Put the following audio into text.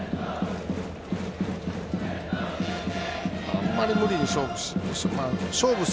あまり無理に勝負は。